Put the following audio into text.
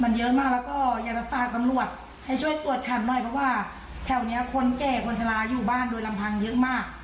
มันเยอะมากแล้วก็อยากจะฝากตำรวจให้ช่วยกวดขันหน่อยเพราะว่าแถวนี้คนแก่คนชะลาอยู่บ้านโดยลำพังเยอะมาก